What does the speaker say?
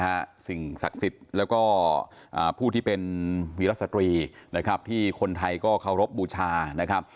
ย่าโมสิ่งศักดิ์สิทธิ์และผู้ที่เป็นศิราชสตรีที่คนไทยเคารพบูชา